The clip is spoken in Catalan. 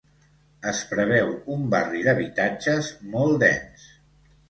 Es preveu un barri d'habitatges molt dens.